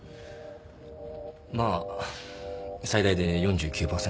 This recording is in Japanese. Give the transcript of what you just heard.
まあ最大で４９％。